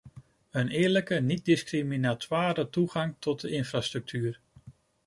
Een eerlijke, niet discriminatoire toegang tot de infrastructuur.